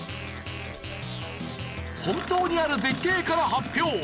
本当にある絶景から発表。